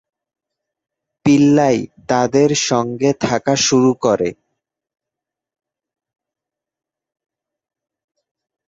পিল্লাই তাদের সঙ্গে থাকা শুরু করে।